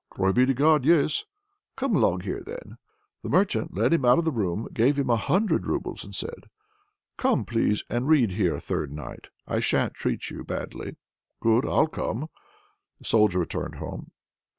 "Glory be to God! yes." "Come along here, then." The merchant led him out of the room, gave him a hundred roubles, and said "Come, please, and read here a third night; I sha'n't treat you badly." "Good, I'll come." The Soldier returned home.